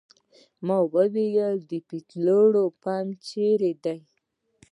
ما وویل پټرول پمپ چېرې دی.